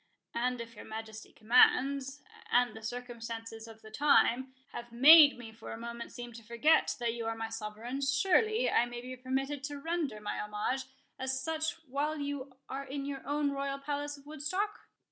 "And if your Majesty's commands, and the circumstances of the time, have made me for a moment seem to forget that you are my sovereign, surely I may be permitted to render my homage as such while you are in your own royal palace of Woodstock?"